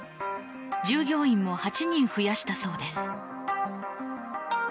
従業員も８人増やしたそうです。